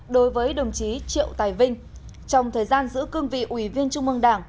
đối với đồng chí triệu tài vinh trong thời gian giữ cương vị ủy viên trung mương đảng